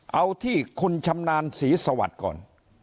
เอาที่คุณชำนาญศรีสวัสดิ์ก่อน